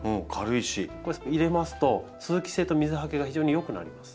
これ入れますと通気性と水はけが非常に良くなります。